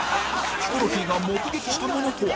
ヒコロヒーが目撃したものとは？